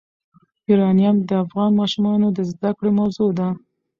یورانیم د افغان ماشومانو د زده کړې موضوع ده.